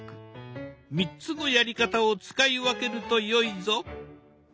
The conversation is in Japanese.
３つのやり方を使い分けるとよいぞ。